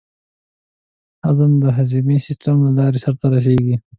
هضم د هضمي سیستم له لارې سر ته رسېږي.